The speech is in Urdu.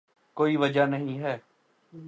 کوئی وجہ نہیں ہے۔